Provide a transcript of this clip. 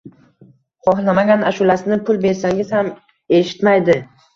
Xohlamagan ashulasini pul bersangiz ham eshitmaydi.